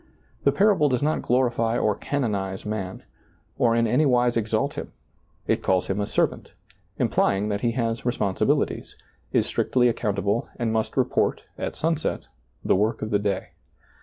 The parable does not glorify or canonize man, or in anywise exalt him. It calls him a servant, implying that he has responsibilities, is strictly accountable and must report, at sunset, the work of the day.